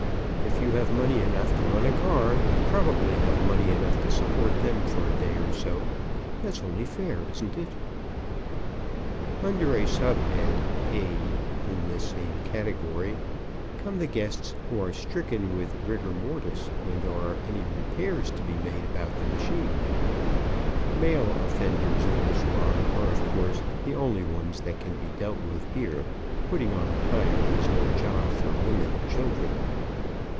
If you have money enough to run a car, you probably have money enough to support them for a day or so. That's only fair, isn't it? [Illustration: "He always has a quip to snap at you to keep you cheered up."] Under a sub head (a), in this same category, come the guests who are stricken with rigor mortis when there are any repairs to be made about the machine. Male offenders in this line are, of course, the only ones that can be dealt with here; putting on a tire is no job for women and children.